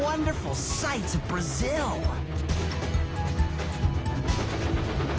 おい！